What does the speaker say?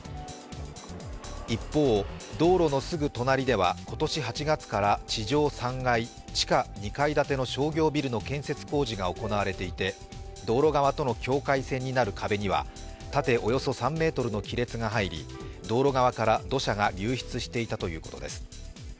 一方、道路のすぐ隣では今年８月から地上３階、地下２階建ての商業ビルの建設工事が行われていて、道路側との境界線になる壁には縦およそ３ｍの亀裂が入り、道路側から土砂が流出していたということです。